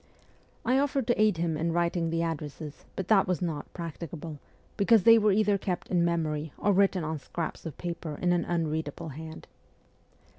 I offered to aid him in writing the addresses, but that was not practicable, because they were either kept in memory or written on scraps of paper in an unread able hand.